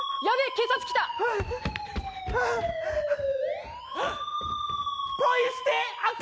やべえ、警察来た！